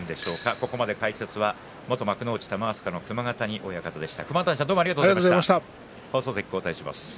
ここまで解説は元幕内玉飛鳥の熊ヶ谷親方でした。